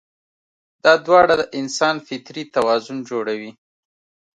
دا دواړه د انسان فطري توازن جوړوي.